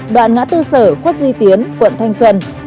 đoạn ngã tư sở khuất duy tiến quận thanh xuân